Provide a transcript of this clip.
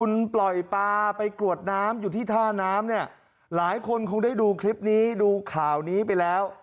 คุณปล่อยปลาไปกรวดน้ำอยู่ที่ท่าน้ำเนี่ยหลายคนคงได้ดูคลิปนี้ดูข่าวนี้ไปแล้ว